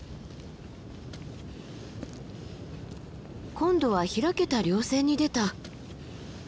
今度は開けた稜線に出た。